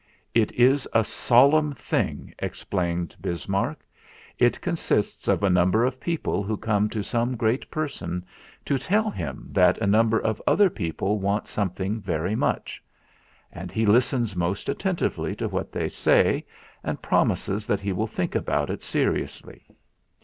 "It is a solemn thing," explained Bismarck. "It consists of a number of people who come to some great person to tell him that a number of other people want something very much. And he listens most attentively to what they say and promises that he will think about it seriously.